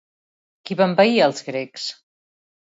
Qui va envair als grecs?